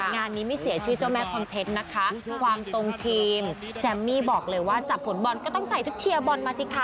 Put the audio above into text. งานนี้ไม่เสียชื่อเจ้าแม่คอนเทนต์นะคะความตรงทีมแซมมี่บอกเลยว่าจับผลบอลก็ต้องใส่ชุดเชียร์บอลมาสิคะ